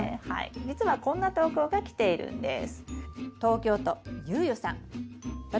じつはこんな投稿が来ているんです。